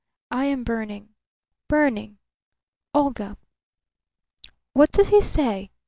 I am burning, burning!... Olga!" "What does he say?"